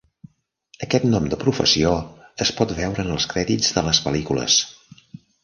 Aquest nom de professió es pot veure en els crèdits de les pel·lícules.